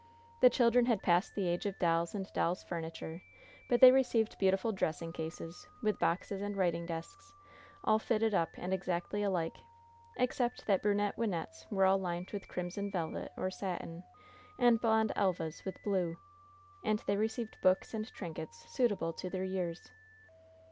The children had passed the age of dolls and dolls' furniture, but they received beautiful dressing cases, with boxes and writing desks, all fitted up and exactly alike, except that brunette Wynnette's were all lined with crimson velvet or satin, and blond Elva's with blue; and they received books and trinkets suitable to their years.